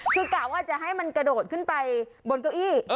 คือกะว่าจะให้มันกระโดดขึ้นไปบนเก้าอี้